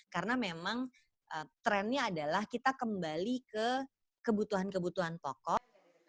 karena memang trendnya adalah kita kembali ke kebutuhan kebutuhan pokok